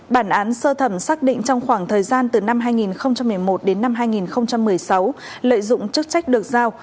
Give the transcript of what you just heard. bản án sơ thẩm xác định trong khoảng thời gian từ năm hai nghìn một mươi một đến năm hai nghìn một mươi sáu lợi dụng chức trách được giao